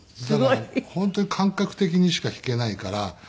だから本当に感覚的にしか弾けないから。